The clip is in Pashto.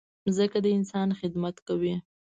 مځکه د انسان خدمت کوي.